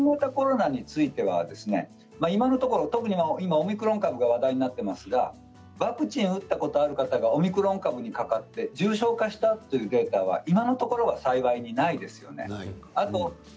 新型コロナについては今のところ特に今オミクロン株が話題になっていますがワクチンを打ったことある方がオミクロン株にかかって重症化したというデータは今のところ幸いいないですよね。